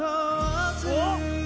おっ！